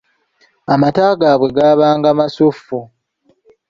Amata gaabwe gabanga masuffu.